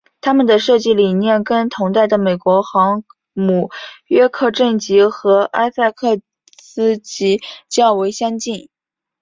它们的设计理念跟同代的美国航母约克镇级和艾塞克斯级较为相近。